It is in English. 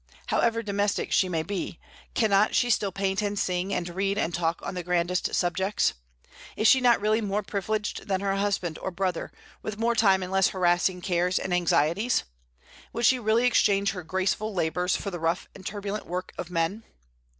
However domestic she may be, cannot she still paint and sing, and read and talk on the grandest subjects? Is she not really more privileged than her husband or brother, with more time and less harassing cares and anxieties? Would she really exchange her graceful labors for the rough and turbulent work of men?